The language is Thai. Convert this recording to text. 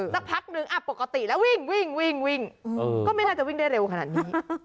สักพักนึงปกติแล้ววิ่งก็ไม่ได้จะวิ่งได้เร็วขนาดนี้